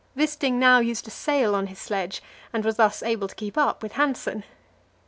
Wisting now used a sail on his sledge, and was thus able to keep up with Hanssen.